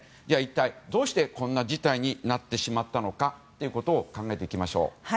じゃあ一体どうしてこんな事態になってしまったのかを考えていきましょう。